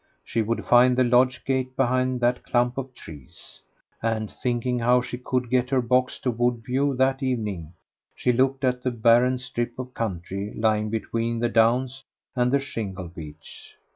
She would find the lodge gate behind that clump of trees. And thinking how she could get her box to Woodview that evening, she looked at the barren strip of country lying between the downs and the shingle beach.